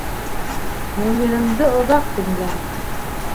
Гөлйөҙөмдө оҙаҡ димләне.